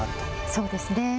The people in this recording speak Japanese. そうですね。